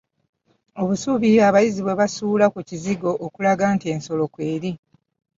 Obusubi abayizzi bwe basuula ku kizigo okulaga nti ensolo kweri.